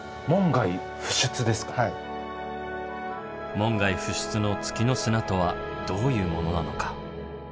門外不出の月の砂とはどういうものなのか？